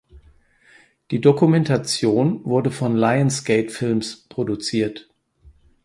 Die Dokumentation wurde von Lionsgate Films produziert.